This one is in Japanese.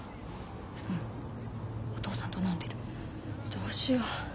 どうしよう。